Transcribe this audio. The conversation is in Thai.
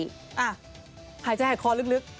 อ่ะหายใจแห่งคอลึก